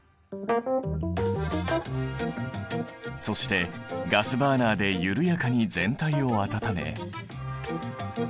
そしてガスバーナーで緩やかに全体を温め。